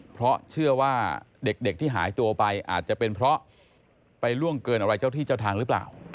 เพราะเชื่อว่าเด็กที่หายตัวไปอาจจะเป็นเพราะไปล่วงเกินอะไรเจ้าที่เจ้าทางหรือเปล่า